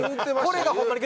これがホンマに。